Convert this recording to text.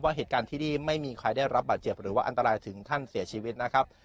เหตุการณ์ที่นี่ไม่มีใครได้รับบาดเจ็บหรือว่าอันตรายถึงขั้นเสียชีวิตนะครับ